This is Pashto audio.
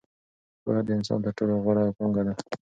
پوهه د انسان تر ټولو غوره پانګه ده.